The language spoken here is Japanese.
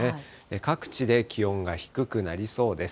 各地で気温が低くなりそうです。